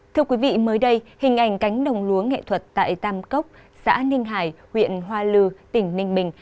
thưa quý vị mới đây hình ảnh cánh đồng lúa nghệ thuật tại tam cốc xã ninh hải huyện hoa lư tỉnh ninh bình